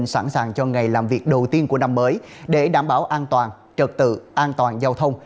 sẵn sàng cho ngày làm việc đầu tiên của năm mới để đảm bảo an toàn trật tự an toàn giao thông